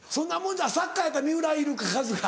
サッカーやったら三浦いるかカズか。